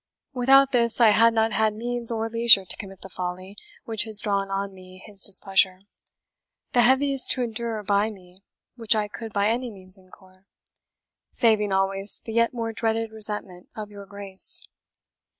Without this, I had not had means or leisure to commit the folly which has drawn on me his displeasure the heaviest to endure by me which I could by any means incur, saving always the yet more dreaded resentment of your Grace."